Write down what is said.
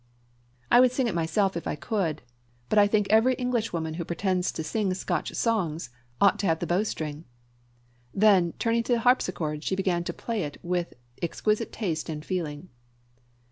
I would sing it myself if I could; but I think every Englishwoman who pretends to sing Scotch songs ought to have the bowstring." Then, turning to the harpsichord, she began to play it with exquisite taste and feeling.